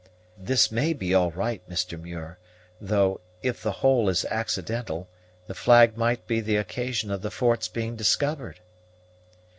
"This may be all right, Mr. Muir, though, if the whole is accidental, the flag might be the occasion of the fort's being discovered."